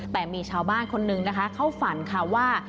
แต่มีชาวบ้านคนนึงนะคะเข้าฝันค่ะว่า